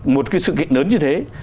một cái sự kiện lớn như thế